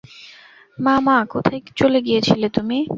মা, মা, কোথায় চলে গিয়েছিলে তুমি?